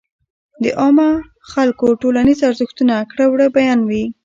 د عامو خلکو ټولنيز ارزښتونه ،کړه وړه بيان وي.